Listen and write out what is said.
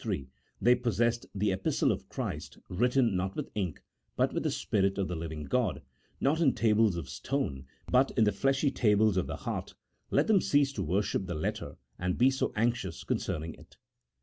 3, they possessed " the Epistle of Christ, written not with ink, but with the Spirit of the living God, not in tables of stone, but in the fleshy tables of the heart," let them cease to worship the letter, and be so anxious con cerning it.